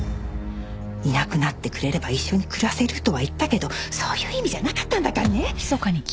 いなくなってくれれば一緒に暮らせるとは言ったけどそういう意味じゃなかったんだからね！